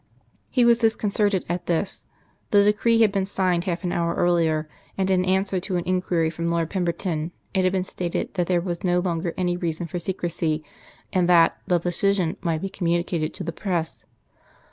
He was disconcerted at this. The decree had been signed half an hour earlier, and in answer to an inquiry from Lord Pemberton it had been stated that there was no longer any reason for secrecy, and that the decision might be communicated to the press.